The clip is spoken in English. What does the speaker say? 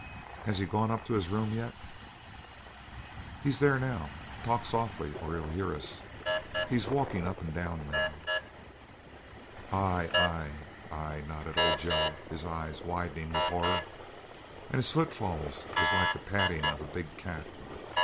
Has he gone up to his room yet?" "He's in there now. Talk softly or he'll hear us. He's walking up and down, now." "Ay, ay, ay!" nodded old Joe, his eyes widening with horror, "and his footfall is like the padding of a big cat.